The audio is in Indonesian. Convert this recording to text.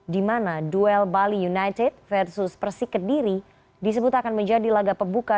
di mana duel bali united versus persik kediri disebut akan menjadi laga pembuka